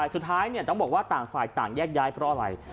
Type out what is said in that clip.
สุดท้ายต้องบอกว่าต่างฝ่ายต่างแยกย้ายเพราะอะไร